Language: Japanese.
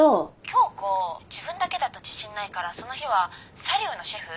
響子自分だけだと自信ないからその日はサリューのシェフ？